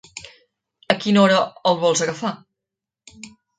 A quina hora el vols agafar?